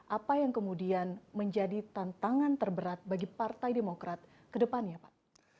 apa yang kemudian menjadi tantangan terberat bagi partai demokrat ke depannya pak